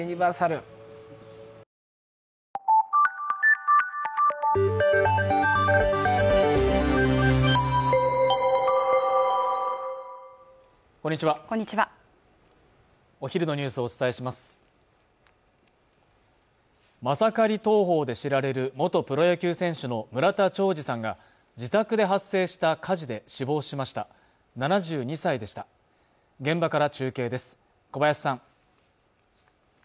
マサカリ投法で知られる元プロ野球選手の村田兆治さんが自宅で発生した火事で死亡しました７２歳でした現場から中継です